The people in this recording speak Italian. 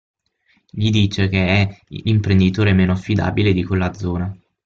Gli dice che è l'imprenditore meno affidabile di quella zona.